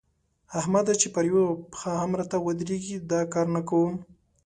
احمده! چې پر يوه پښه هم راته ودرېږي؛ دا کار نه کوم.